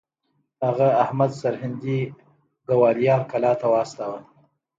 هغه احمد سرهندي ګوالیار کلا ته واستوه.